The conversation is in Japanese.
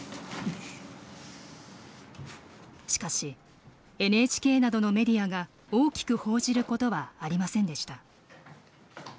しかし、ＮＨＫなどのメディアが大きく報じることはありませんでした。